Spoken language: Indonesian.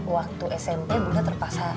waktu smp bunda terpaksa